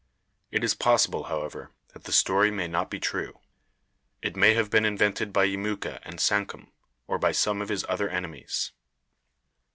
It is possible, however, that the story may not be true. It may have been invented by Yemuka and Sankum, or by some of his other enemies.